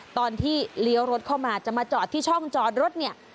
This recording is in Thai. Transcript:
ตอนที่เลี้ยวรถเข้ามาจะมาจอดที่ช่องจอดรถเนี่ย